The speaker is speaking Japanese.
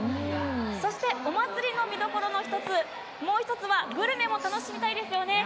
そして、おまつりの見どころのもう１つは、グルメも楽しみたいですよね。